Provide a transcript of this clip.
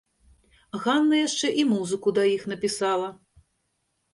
Ганна яшчэ і музыку да іх напісала.